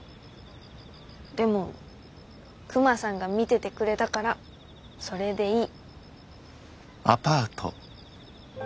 でもクマさんが見ててくれたからそれでいい。